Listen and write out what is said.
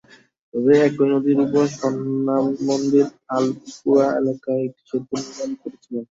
তবে একই নদীর ওপর সনমান্দীর অলিপুরা এলাকায় একটি সেতু নির্মাণ করেছিলাম।